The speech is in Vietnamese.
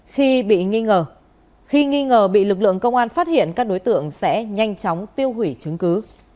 khi bị nghi ngờ bị lực lượng công an phát hiện các đối tượng sẽ nhanh chóng tiêu hủy chứng cứ